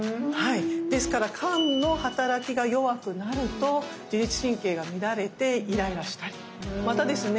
ですから肝のはたらきが弱くなると自律神経が乱れてイライラしたりまたですね